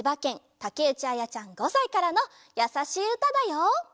たけうちあやちゃん５さいからの「やさしいうた」だよ。